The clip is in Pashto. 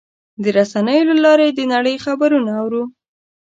د رسنیو له لارې د نړۍ خبرونه اورو.